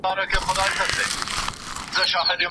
چي مین پر ګل غونډۍ پر ارغوان وم